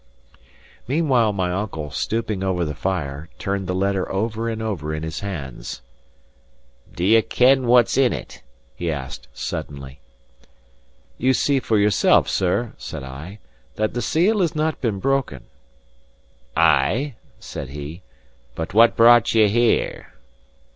Meanwhile, my uncle, stooping over the fire, turned the letter over and over in his hands. "Do ye ken what's in it?" he asked, suddenly. "You see for yourself, sir," said I, "that the seal has not been broken." "Ay," said he, "but what brought you here?"